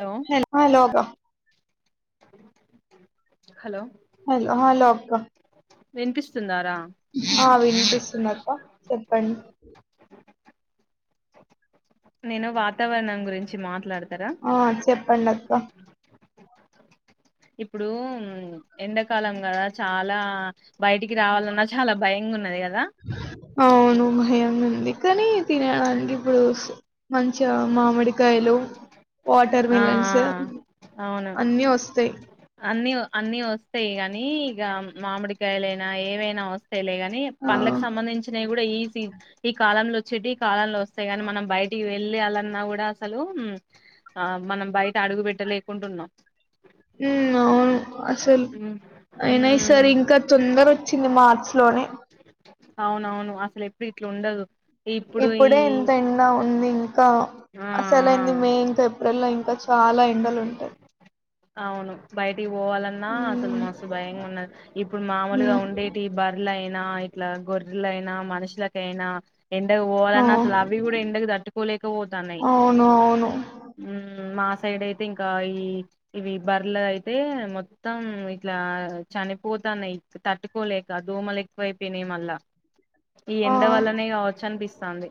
Hello హాల్ hello అక్క hello hello hello అక్క వినిపిస్తుందా రా ఆహ్ వినిపిస్తుంది అక్క చెప్పండి నేను వాతావరణం గురించి మాట్లాడత్ ఆ చెప్పండక్క ఇప్పుడు ఎండాకాలం కదా చాలా బయటికి రావాలన్నా చాలా భయంగున్నది కద్ అవును భయం ఉంది కానీ తినడానికి ఇప్పుడు స్ మంచి చ మామిడికాయలు వాటర్ ఆ మిలన్స్ ఆ అవును అన్నీ వస్తాయి. అన్ని అన్ని వస్తాయి కానీ ఇగ మామిడికాయలైనా ఏవైనా వస్ తెలే గాని ఆ పండ్లకు సంబంధించినయి గూడా ఈసి ఈ కాలంలో చెటీ కాలంలో వస్ స్తాయి గాని మనం బయటికి వెళ్ లేయాలన్నా కూడా అసలు ఆ మనం బయట అడుగు పెట్ట లేకుంటున్నాం ఉ అవును అసలు అయినా ఈ ఉమ్ సరీ ఇంకా తొందరోచ్చింది మార్చ్ లోనే అవునవును అసలు ఎప్పుడు ఇట్లా ఉండదు. ఇప్పుడు ఈ ఇప్పుడే ఇంత ఎండ ఉంది ఇంకా ఆ అసలుయింది మే ఇంకా ఏప్రిల్ లో ఇంకా చాలా ఎండలు ఉంటాయి. అవును బయటికి పోవ ఆహ్ అసలు ఉమ్ మస్తు భయంగా ఉన్నది ఇప్పుడు మామూలుగా ఉమ్ ఉండేటి బర్లా అ ఇట్లా గొర్రెలయినా మనుషులకైనా ఎండకు పోవాలన్నా ఆ అసలు అవి కూడా ఎండకు తట్టుకోలేక పోతన్నాయి అవును అవును ఉ మా సైడ్ అయితే ఇంకా ఈ ఇవి బేర్లే అయితే మొ మొత్తం ఇట్లా చనిపోతాన్నాయి తట్టుకోలేక దోమలు ఎక్కువైపోయినాయి మళ్ళా ఈ ఆ ఎండ వల్లనే కావచ్చు అనిపిస్తుంది సంధి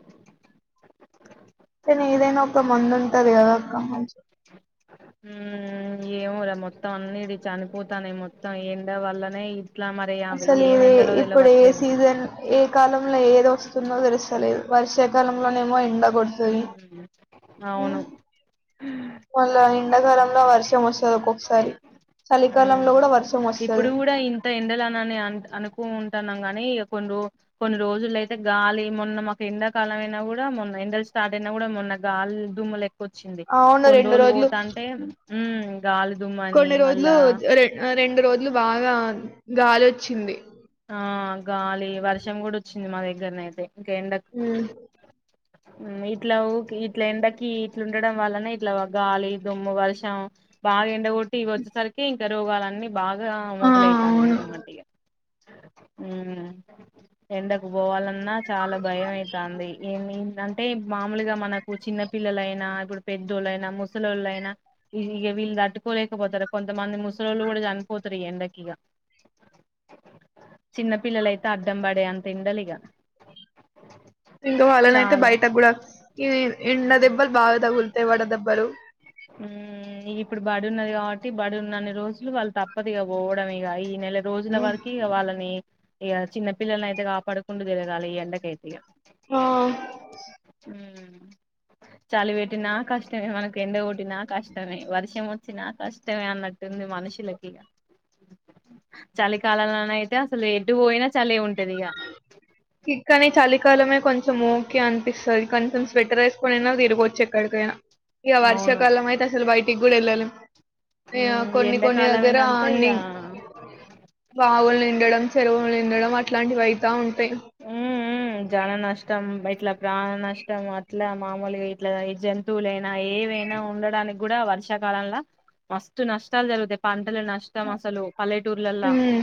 కానీ ఏదైనా ఒక మందు ఉంటది కదా అక్క హ్మ్ ఏమరా మొత్తం అన్నిటి చనిపోతానే మొత్తం ఎండ వల్లనే ఇట్లా మరి అవి అసలు ఏం ఇది ఎండలో ఇప్పుడు ఏ తెలవట్లేవు సీజన్ ఏ కాలంలో ఏది ఓస్తుందో తెలుసలేదు వర్షాకాలంలోనేమో ఎండ కొడుతుంది అవును మళ్ళ ఎండాకాలంలో వర్షం వస్తది ఒక్కొక్కసారి ఉమ్ చలికాలంలో కూడా వర్షం వస్తుది ఇప్పుడు కూడా ఇంత నీ కొన్ని కొన్ని రోజులు అయితే గాలి మొన్న మాకు ఎండాకాలం అయినా కూడా మొన్న ఎండ స్టార్ట్నా కూడా మొన్నగాల్ దూమ్ల వచ్చింది అవును కొన్ని రెండు రోజులు పోతాంటే హ్మ్ కొన్ని రోజులు ర రెండు రోజులు బాగా గాలోచ్చింది ఆ గాలి వర్షం కూడా వచ్చింది మా దగ్గరనైతే కే ఎండ ఉమ్. ఇట్లా ఊ ఇట్లా ఎండకి ఇట్ల ఉండడం వల్లనే ఇట్లా గాలి దుమ్ము వర్షం బాగా ఎండగొట్టి ఇ వచ్చేసరికి ఇంకా రోగాలన్నీ బాగా ఆ మొదలైతా అవును ఎండకు పోవాలన్నా అన్నా చాలా భయం అవుతుంది ఏమి అంటే మామూలుగా మనకు చిన్న పిల్లలైనా ఇప్పుడు పెద్దోళ్ళైనా ముసలిళ్ళైనా ఇక వీళ్ళు తట్టుకోలేకపోతారు కొంతమంది ముసలళ్ళు కూడా చనిపోతారు ఎండకి చిన్న పిల్లల అయితే అడ్డం పడే అంత ఇండాల ఇంకా వాళ్ళన అయితే చాలా బయట కూడా ఈ ఎండ ఉమ్ దెబ్బలు బాగా తగులుతాయి వడదెబ్బలు ఇ ఇప్పుడు బడి ఉన్నది కాబట్టి బడి ఉన్న అన్ని రోజులు వాళ్ళు తప్పదుగా పోవడం ఇక నెల రోజుల వరకి వాళ్ళని ఇక చిన్న పిల్లని అయితే కాపాడుకుండా గలగాలి ఈ ఎండకైయితే ఇక ఆ మ్మ్ చలి పెట్టినా కష్టమే మనకి ఎంత నా కష్టమే వర్షం వచ్చినా కష్టమే అన్నట్టుంది మనుషులకి చలికాలంలోన అయితే అసలు ఎటు పోయినా చలే ఉంటది ఇగ ఇకాని చాలికాలం కొంచెం ఓకే అనిపిస్తుంది కొంచెం స్వెట్టర్ వేసుకొనినా తిరగవచ్చు ఎక్కడికైనా ఇ అవును వార్షికాలాం అయితే అసలు బయట దగులు ఎల్ ఆ మ్మ్ కొన్ని కొన్ని దగ్గర ఎండాకాలమైనంత ఇగ అన్ని బావులు నిండడం చెరువులు నిండడం అ వయితా ఉంట జన నష్టం, ఇట్ల ప్రాణ నష్టం, అట్ల మామలుగ ఇట్ల ఈ జంతువులై నా ఏవైనా ఉండడానికి గుడ వర్షా కాలంలో మస్తు నష్టాలు జరుగుతయి. పాణ నష్టం అసలు పల్లెటూర్లల్ల ఉమ్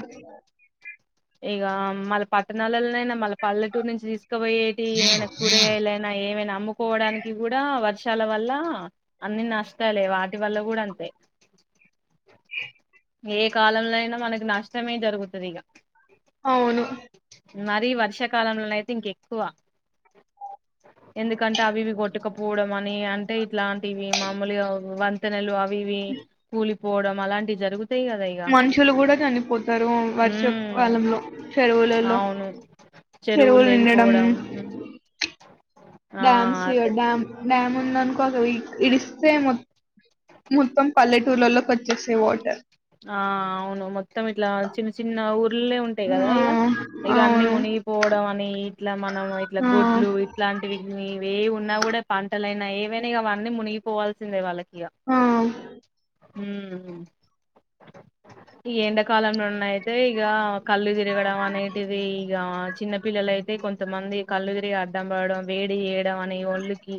ఇగా మళ్ళ పట్టణాలలో నైనా మనం పల్లెటూరు నుంచి తీసుకుబొయేటి, ఏమైన కూరగాయలైన ఏమైన అమ్ముకోవడానికి గుడా వర్షం షాల వల్లా అన్ని నష్టాలె. వాటి వల్ల గుడా అంతే! [unintelligible] ఏ కాలంలో అయినా మనకి నష్టమే జరుగుతది ఇగ. అవును మరీ వర్షాకాలంలో నయితె ఇంక ఎక్కువ. ఎందుకంటే అవి ఇవి కొట్టుకపోవడం అనీ, అంటే ఇట్లాంటివి మాములుగ వంతెనలు అ వివి కూలి పోవడం అలాంటి జరుగు మనుషులు గుడ చనిపోతరు. ఊ ఉమ్ వర్షకాలంలో చెరువుల అవును. చెరువులు తెగిపోవడం, ఉ డ్యామ్స్ ఇగొ డ్యామ్ డ్యామ్ ఉందనుకోదు. ఇ ఇడిస్తే మొ-మొత్తం పల్లెటూర్లలో కట్చేసే వాటర్ ఆ అవును మొత్తం ఇట్లా చిన్న చిన్న ఊరు ల్నె ఉంటాయి ఆ గద ఇగ. ఇగ అన్ని అవును మునిగిపోవడం అనీ, ఇట్ల మనం ఇట్ల ఆ గొడ్లు ఇట్లాంటివిటినీ ఏయి ఉన్నా గుడ పంటలైనా ఏవైన అవన్నీ మునిగిపోవాల్సిందే, వాళ్ళకి ఇగ ఆ ఊమ్ ఈ ఎండకాలంలోన్నయితే ఇగా కళ్ళు తిరగడం అనేటిదీ ఇగ చిన్న పిల్లలయితే కొంతమంది కళ్ళు తిరిగి సంబాడ వేడిచేయడం మని ఒళ్ళకి,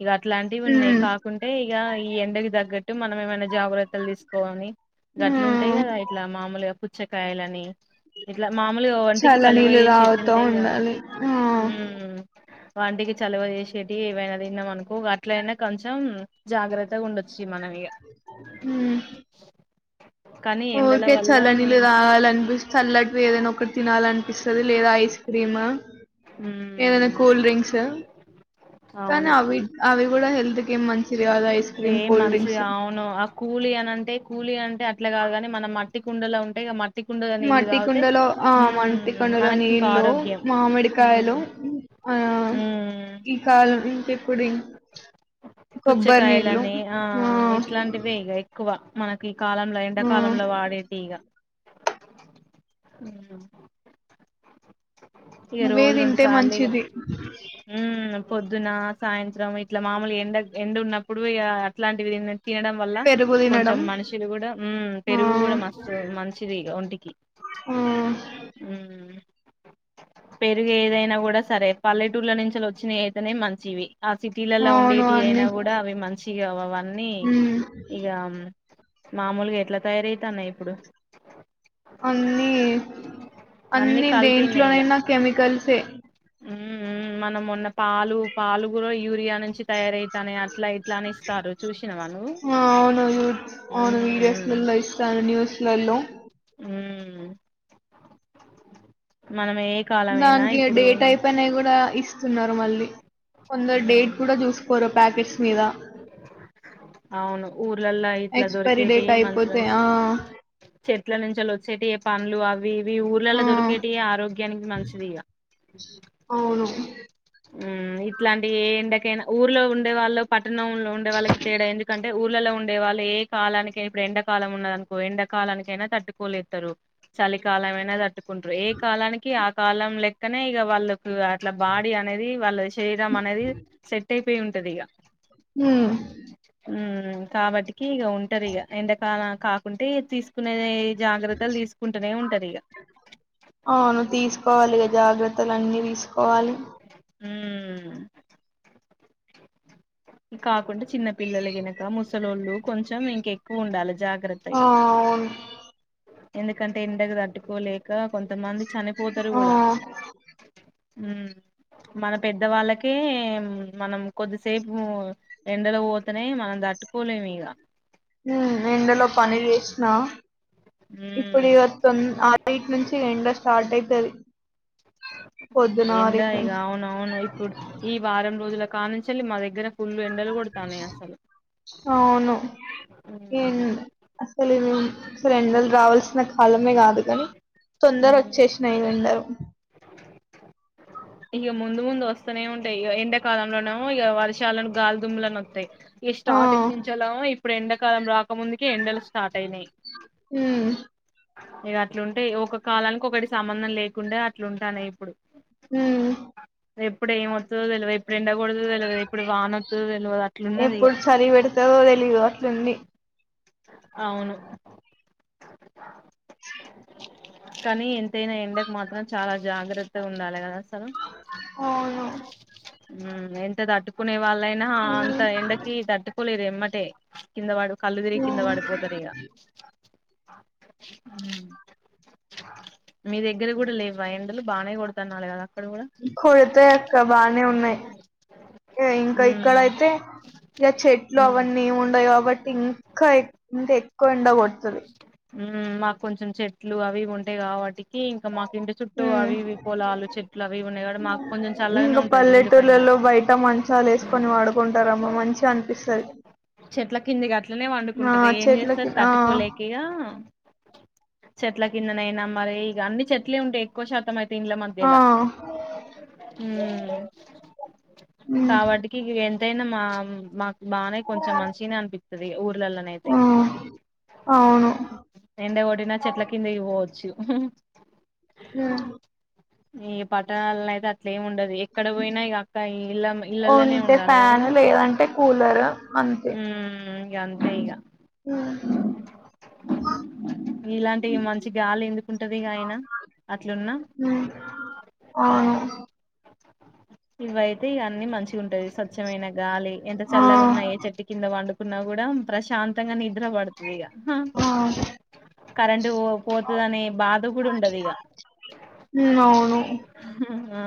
ఇగ అట్లాంటివి ఉన్నయి ఉమ్ కాకుంటే, ఇగ ఈ ఎండకి దగ్గట్టు మనం ఏమన్న జాగ్రత్తలు తీసుకోవాలి. ఆ గట్లున్టయి గదా ఇట్లా మామలుగ పు చ్చకాయలనీ ఇట్ల మములుగ ఒంటికి చలువ చల్లనీళ్ళు చేసేటియి తాగుతా ఉంటయిగా, ఉండాలి ఆ ఊమ్ వాటికి చలవ చేసేటి ఏవైన తిన్నమనుకో అట్లయిన, కొంచెం జాగ్రత్తగా ఉండొచ్చు. మనం ఇక ఊహ్ కానీ ఎండల ఊకె వల్ల చల్లనీళ్లు తాగాాలనిపిస్తు చల్లట్వి ఏదైనా ఒకటి తినాలనిపిస్తది లేదా ఐస్ క్రీమ్ ఏదైనా ఉమ్, కూల్ డ్రింక్స్ ఆ కానీ అవును అవి అవి కూడా హెల్త్ కి మంచిది గాదు ఐస్ క్రీమ్ ఏం కూల్ మంచిది డ్రింక్స్ అవును ఇట్ల కాదు గని మనం మట్టి కుండల ఉంటయి గ మట్ ట్టి కుండల నీల్లు మట్టి తాగితే కుండలో ఆ ఊ మట్టి కుండలో మనకి ఇంక నీళ్ళు ఆరోగ్యం ఊ మామిడికాయలు ఆ ఊ ఈ కాలం ఇంకెప్పుడు కొబ్బరి నీళ్ళు పుచ్చకాయలని ఆ ఇట్లాంటివే ఇగ ఎక్కువ మనకి కాలంలో ఆ ఎండాకాలంలో వాడేటియి ఇగ ఊ ఇగ అవే రోజు రెండు తింటే సార్లులిగ మంచిది ఊ పొద్దునా సాయంత్రం ఇట్ల మాములు ఎండ ఎండ ఉన్నప్పుడు ఇగా అట్లాంటివి తినే తినడం వల్ల పెరుగు తినడం కొంచెం మనిషి కూడా ఊ ఆ పెరుగు కూడా మస్తు మంచిది ఇగ ఒంటికి ఆ ఊ పెరుగు ఏదైనా గుడా సరే పల్లెటూర్ల నుంచి ఓచ్చినయైతెనే మంచివి ఆ సిటీలల్ల అవును ఉండేటి అన్ని అయినా గుడా అవి మంచిగ అవ అవన్నీ ఉమ్ ఇగ మామూలుగ ఎట్ల తయారయితాన్నయి ఇప్పుడు అన్ని అన్ని దేంట్లోనైన కెమికల్సే ఉ ఉ మనం మొన్న పాలు పాలు కూడా యూరియా అను నుంచి తయారయితాన్నయీ అట్ల ఇట్ల అని ఇస్తారు చూసినవా నువ్వు ఆ, అవును యూ- ఊ అవును ఊ ఉ వీడియోస్లలో ఇస్తారు న్యూస్లలో ఊ దాంట్లే డేట్ అయిపోయినయి కూడా ఇస్త సున్నారు మళ్ళీ కొందరు డేట్ ఉమ్ కూడా జూసుకోరు ప్యాకెట్స్ మీద అవును ఊర్లల్లో ఇట్లా ఎక్స్పైరీ దొరికేటి డేట్ మంచి అయిపోతే మంచి ఆ చెట్ల నుంచి వచ్చేటివి పండ్లు అవి అవి ఇవి ఆ ఊర్లల్లో దొరికేటిఏ ఆరోగ్యానికి మంచిది ఇగ అవును ఊ ఇట్లాంటి ఏ ఎండకైన ఊర్లో ఉండే వాళ్ళు పట్టణంలో ఉండే వాళ్ళకి తేడా ఎందుకంటే ఊర్లల్లో ఉండే వాళ్ళు ఏ కాలానికై ఇప్పుడు ఎండాకాలం ఉన్నదనుకో ఎండాకాలానికైనా తట్టుకోలేస్తరు చలికాలం అయినా తటు కుట్రు ఏ కాలానికి ఆ కాలం లెక్కనే ఇగ వాళ్ళకు అట్ల బా డీ అనేది వాల్ల శరీ రీరం అనేది సెట్టై పోయి ఉంటదిగ మ్మ్ మ్మ్ కాబట్టికి ఇగ ఉంటది ఇగ, ఎండకాల కాకుంటే తీసుకునేది అవును తీసుకోవాలి ఇగ జాగ్రత్తలు అన్నీ దీసుకోవాలి ఊ మ్మ్ ఇ కాకుండ చిన్న పిల్లలే గనేక ముసలోళ్ళు కొంచెం ఇంకెక్కువ ఉండాలే ఆ జాగ్రత్తయిగా అవును ఎందుకంటే ఎండకు తట్టుకోలేక కొంతమంది చనిపోతరు ఆ గూడ హ్మ్మ్ మన పెద్ద వాళ్ళకే మనం కొద్ది సేపు ఎండలో పోతనే మనం తట్టుకోలేం ఇగ హ్మ్ ఎండ లో పని చేసిన ఇప్పుడు ఉమ్ ఇవా త్ న్ ఆ ఇట్ నుంచి ఎండ స్టార్ట్ అయి తది ఎండ ఇగ అవున్ అవును ఇప్పుడు ఈ వారం రోజుల కాని నుంచంలి మా దగ్గర ఫుల్ ఎండలు కొడతానే అసలు నో ఏన్ ఉమ్ అసలు అసలు ఎండలు రావాల్సిన కాలమే కాదు కాని తొందర ఉమ్ వచ్చేసినాయి ఎండలు ఇగ ముందు ముందు వస్తూనే ఉంటాయి ఇగ ఎండ కాలం లోనేమో ఇగ వర్షాలను గాల్ దుమ్లా నొత్తయి ఇస్ ఆ స్టటింగ్ దించాలో యి ప్పుడు ఎండాకాలం రాకముందుకే ఎండలు స్టాట్ అయినయ్ ఉమ్ ఇక అట్లుంటే ఒక కాలానికి ఒకటి సంబంధం లేకుండా అట్లుంటానయి ఇప్పుడు హ్మ్ ఎప్పుడు ఏమొత్తదో తెల్వద్ ఎప్పుడెండ కూడదో తెలదు ఇప్పుడు వానొత్తదో తెలియదు అట్లున్నది ఇగ ఎప్పుడు చలి పెడతదో తెలీదు అట్లుంది అవును కానీ ఎంతైనా ఎండకు మాత్రం చాలా జాగ్రత్తగా ఉండాలే కదా అసలు అవును హ్మ్ ఎంత తట్టుకునేవ్ వాళ్ళైనా అంత ఎండకి తట్టుకోలేరే ఎమ్మటే కిందవడు కళ్ళుదిరిగి ఉమ్ మీ దగ్గర కూడా లేవా ఎండలు బానే కొడుతున్నాల్ కదా అక్కడ కూడా కొడితే అక్క బానే ఉన్నాయి, ఇంక ఉమ్ ఇక్కడయితే ఇగ చెట్లు ఉమ్ అవన్నీ ఏమి ఉండవు కాబట్టి ఇంకా ఇంత ఎక్కవ ఎండ కొడుతది మ్ మాక్ కొంచం చెట్లు అవి ఇవి ఉంటాయి కాబట్టి కీ ఇంకా మాక్ ఇంటి చుట్టూ ఉమ్ అవి ఇవి పొలాలు చెట్లు అవివి ఉన్నాయి కాబట్టి మాక్ కొంచెం చల్లగనే ఇంకా ఉంటది ఇల్లు పైన పల్లెటూర్లలో బయట మంచాలు వేసుకొని పడుకుంటారమ్మ మంచిగా అనిపిస్తది చెట్ల కిందికి అట్లనే వండు ఆ ట్కుంటరు ఏం చెట్లకి చేస్తార్ ఆ తట్టుకోలేకిగా చెట్ల కిందనయినా మరి ఇగ అన్ని చెట్లే ఉంటయి ఎక్కువ శాతం అయి ఇండ్ల ఆ మధ్యలా మ్ ఉమ్ కాబట్టికి ఎంతైన మా మాక్ బానే కొంచెం మంచిగనే అన్పి తది ఊర్లల్ నైతే ఆ అవును ఎండ కొట్టినా చెట్ల కిందకి పోవచ్చు. హ ఆ ఈ పట్టణాలల్ల అయితే అట్లేం ఉండది. ఎక్కడ పోయినా ఇక అక్క ఈ ఉంటే ఫ్యాన్ లేదంటే కూలర్ అంతే ఇగ అంతే ఇగ ఉమ్ ఇలాంటివి మంచి గాలి ఎందుకుంటది ఇగ అయినా అట్లున్న ఉమ్ అవును ఇవయితే ఇగ అన్నీ మంచిగుంటది స్వచ్ఛమైన గాలి ఎంత ఆ చల్లగున్నా ఏ చెట్టు కింద వండు కున్నా గుడా ప్రశాం [unintelligible] నిద్ర పడ్తదిగ ఆ కరెంటు పోతదనే బాధ గుడ ఉండదిగ ఉమ్ అవును ఆ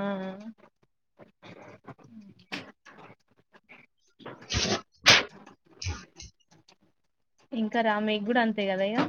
ఇంకరా మీక్ గుడా అంతే కదా ఇగ